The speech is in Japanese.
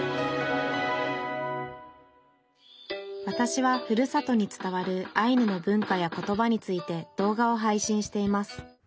わたしはふるさとに伝わるアイヌの文化や言葉について動画を配信しています